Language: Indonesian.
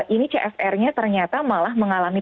ini cfr nya ternyata malah mengalami